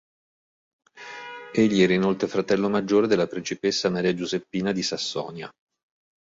Egli era inoltre fratello maggiore della principessa Maria Giuseppina di Sassonia.